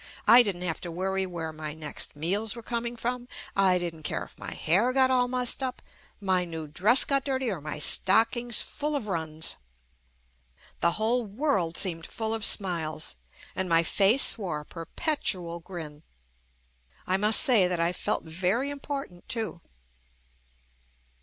I didn't have to worry where my next meals were coming from, JUST ME I didn't care if my hair got all mussed up, my new dress got dirty or my stockings full of runs. The whole world seemed full of smiles and my face wore a perpetual grin. I must say that I felt very important too.